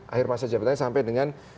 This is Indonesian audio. akhir masa jabatannya sampai dengan